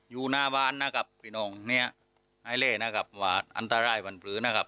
อยู่หน้าบ้านนะครับพี่น้องเนี่ยไอเล่นะครับหวานอันตรายวันพื้นนะครับ